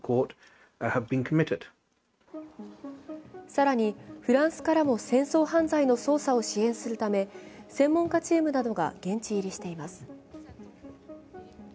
更に、フランスからも戦争犯罪の捜査を支援するため専門家チームなどが現地入りしています。